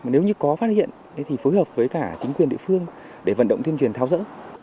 nếu như có phát hiện thì phối hợp với cả chính quyền địa phương để vận động tuyên truyền thao dỡ